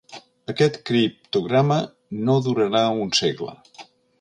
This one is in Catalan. Aquest criptograma no durarà un segle.